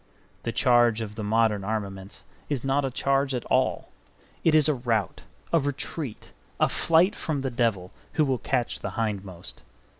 The charge of the modern armaments is not a charge at all. It is a rout, a retreat, a flight from the devil, who will catch the hindmost.